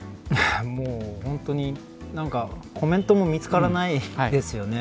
もう本当にコメントも見つからないですよね。